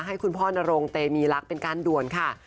ให้คุณพ่อนโรงเตมีรักเป็นการด่วนค่ะ